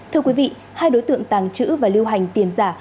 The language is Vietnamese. thưa quý vị hai đối tượng tàng trữ và lưu hành tiền giả